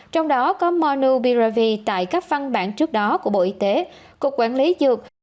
trong đó có monopiravir tại các văn bản trước đó của bộ y tế cục quản lý dược